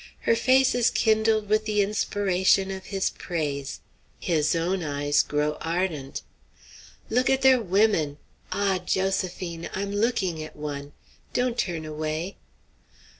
Her face is kindled with the inspiration of his praise. His own eyes grow ardent. "Look at their women! Ah, Josephine, I'm looking at one! Don't turn away.